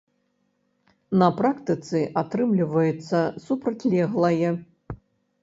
На практыцы атрымліваецца супрацьлеглае.